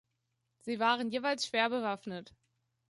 Sie waren jeweils schwer bewaffnet.